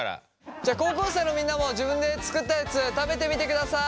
じゃあ高校生のみんなも自分で作ったやつ食べてみてください！